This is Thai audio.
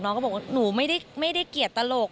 ก็บอกว่าหนูไม่ได้เกลียดตลก